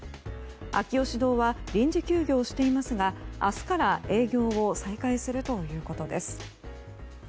秋芳洞は臨時休業していますが明日から営業を再開するということです。